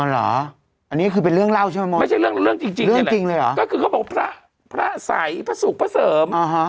เรื่องจริงเลยอ่ะก็คือเขาบอกพระพระสัยพระสุกพระเสริมอ่าฮะ